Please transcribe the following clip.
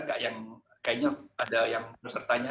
kayaknya ada yang pesertanya